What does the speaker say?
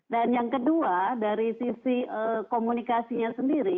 dan yang kedua dari sisi komunikasinya sendiri